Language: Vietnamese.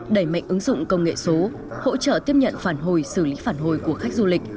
đẩy mạnh ứng dụng công nghệ số hỗ trợ tiếp nhận phản hồi xử lý phản hồi của khách du lịch